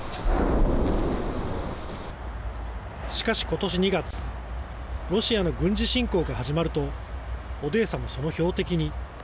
しかし、今年２月ロシアの軍事侵攻が始まるとオデーサも、その標的に。